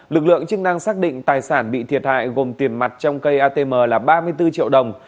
lực lượng chức năng xác định tài sản bị thiệt hại gồm tiền mặt trong cây atm là ba mươi bốn triệu đồng